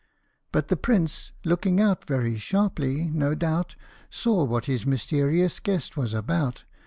But the Prince, looking out very sharply, no doubt, Saw what his mysterious guest was about 65 CINDERELLA.